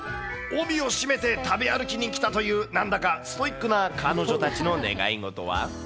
帯を締めて食べ歩きに来たという、なんだかストイックな彼女たちの願い事は。